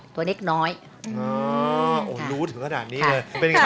ตัวนิดน้อยตัวนิดน้อยอ๋ออ๋อรู้ถึงขนาดนี้เลยค่ะเป็นยังไง